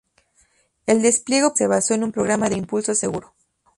El despliegue operativo se basó en un "programa de impulso seguro".